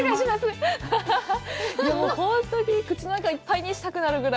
本当に口の中いっぱいにしたくなるくらい。